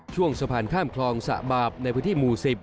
ช่วงสะพานข้ามคลองสะบาปในพื้นที่หมู่๑๐